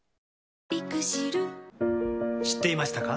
知っていましたか？